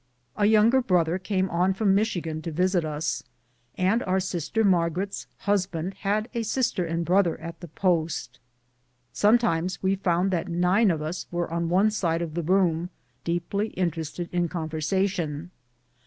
A younger brother came on from Michigan to visit us, and our sister Margaret's husband had a sister and brother at the post. Sometimes we found that nine of us were on one side of the room deeply interested in conver sation.